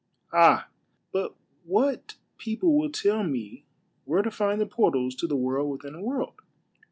" Ah, but what people will tell me where to find the portals to the World within a World?"